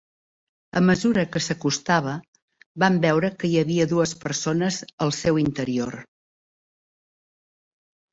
A mesura que s'acostava, vam veure que hi havia dues persones al seu interior.